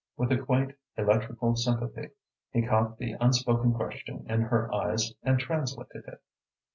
With a quaint, electrical sympathy, he caught the unspoken question in her eyes and translated it.